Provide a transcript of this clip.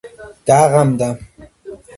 დაღამდა.